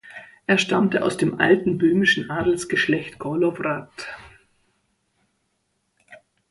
Er stammte aus dem alten böhmischen Adelsgeschlecht Kolowrat.